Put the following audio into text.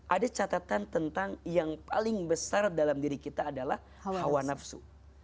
ada catatan tentang yang paling besar dalam diri kita adalah hawa nafsu